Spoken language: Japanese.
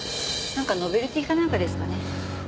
なんかノベルティーかなんかですかね。